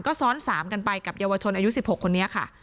ก็ซ้อน๓กันไปกับเยาวชนอายุ๑๖คนนี้ค่ะ